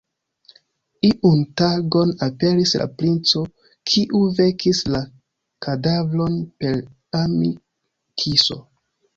Iun tagon aperis la Princo, kiu vekis la kadavron per am-kiso.